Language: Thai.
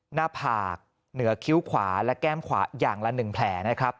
หน้าผากเหนือคิ้วขวาและแก้มขวาอย่างละ๑แผลนะครับ